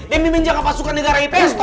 demi menjaga pasukan negara investor